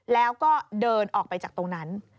แล้วก็เดินออกไปจากตรงนั้น